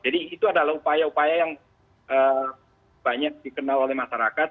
jadi itu adalah upaya upaya yang banyak dikenal oleh masyarakat